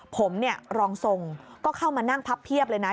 ผมเนี่ยรองทรงก็เข้ามานั่งพับเพียบเลยนะ